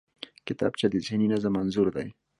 کتابچه د ذهني نظم انځور دی